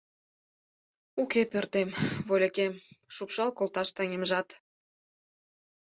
Уке пӧртем, вольыкем, шупшал колташ таҥемжат